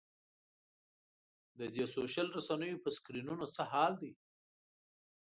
دا سوشل رسنیو په سکرینونو څه حال دی.